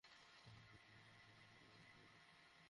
আমাদের জুনিয়র মেয়েরা দেখতে খুব সুন্দর হবে।